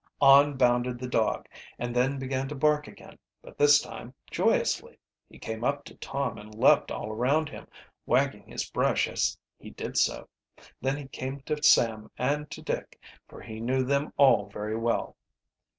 On bounded the dog, and then began to bark again, but this time joyously. He came up to Tom and leaped all around him, wagging his brush as he did so. Then he came to Sam and to Dick, for he knew them all very well.